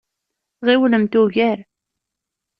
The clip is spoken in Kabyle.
Ɣiwlemt ugar!